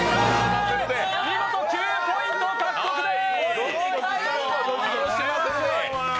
見事９ポイント獲得です。